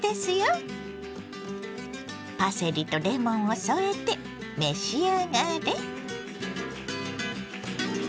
パセリとレモンを添えて召し上がれ。